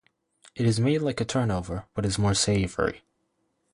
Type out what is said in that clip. It is made like a turnover but is more savoury.